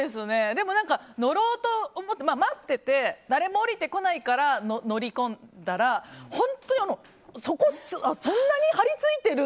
でも、乗ろうと思って待ってて誰も降りてこないから乗り込んだら本当にそこに、そんなに張り付いてる？